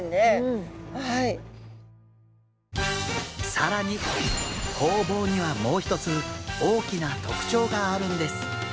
更にホウボウにはもう一つ大きな特徴があるんです。